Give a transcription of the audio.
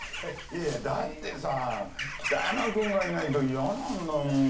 だってさ北山君がいないと嫌なんだもん。